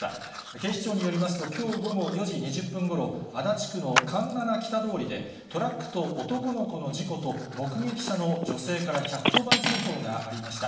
警視庁によりますと、きょう午後４時２０分ごろ、足立区の環七北通りで、トラックと男の子の事故と、目撃者の女性から１１０番通報がありました。